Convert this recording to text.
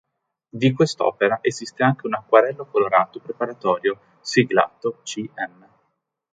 Di quest'opera esiste anche un acquarello colorato preparatorio, siglato "C M".